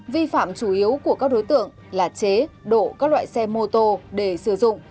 vi phạm chủ yếu của các đối tượng là chế độ các loại xe mô tô để sử dụng